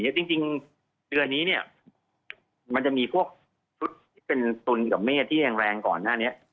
วันอึดอื่นบนจริงเวือนนี้เนี่ยมันจะมีพวกศุลย์เป็นธุ์นกับเมลดที่แรงก่อนหน้านี้